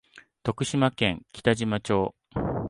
徳島県北島町